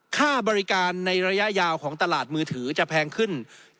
ค่าบริการในระยะยาวของตลาดมือถือจะแพงขึ้น